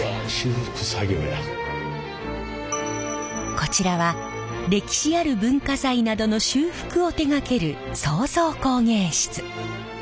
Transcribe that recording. こちらは歴史ある文化財などの修復を手がける創造工芸室。